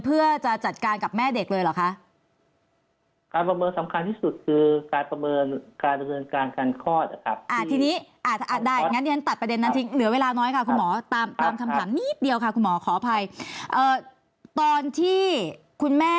เพื่อจะจัดการกับแม่เด็กเลยเหรอคะ